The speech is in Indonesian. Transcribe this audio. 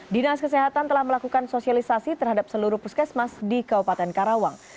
dinas kesehatan telah melakukan sosialisasi terhadap seluruh puskesmas di kabupaten karawang